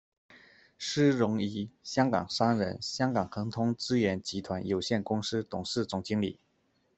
施荣怡，香港商人、香港恒通资源集团有限公司董事总经理。